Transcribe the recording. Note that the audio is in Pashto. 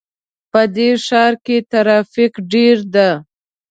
په دې ښار کې ترافیک ډېر ده